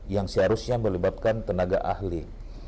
yang seharusnya melibatkan tenaga ahli